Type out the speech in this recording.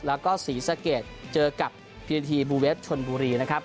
แล้วก็ศรีสะเกดเจอกับพีนาทีบูเวฟชนบุรีนะครับ